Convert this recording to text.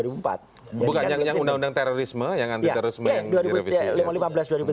bukan yang undang undang terorisme yang anti terorisme yang direvisi